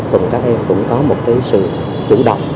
cùng các em cũng có một cái sự chủ động